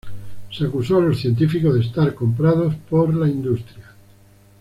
Se acusó a los científicos de estar comprados por la industria.